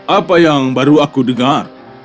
apa yang baru aku dengar